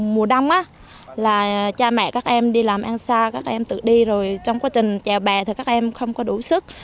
mùa đông là cha mẹ các em đi làm ăn xa các em tự đi rồi trong quá trình trèo bè thì các em không có đủ sức